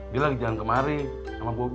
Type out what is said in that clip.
dia lagi jalan kemari sama bobby